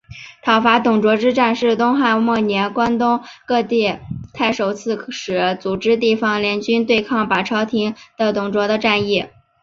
讨伐董卓之战是东汉末年关东各地太守刺史组织地方联军对抗把持朝廷的董卓的战役。